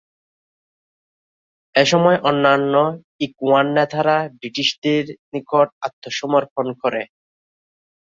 এসময় অন্যান্য ইখওয়ান নেতারা ব্রিটিশদের নিকট আত্মসমর্পণ করে।